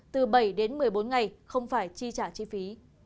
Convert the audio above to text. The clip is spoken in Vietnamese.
từ bảy đến một mươi bốn ngày không phải chi trả chi phí